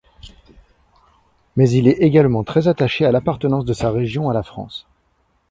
Mais il est également très attaché à l'appartenance de sa région à la France.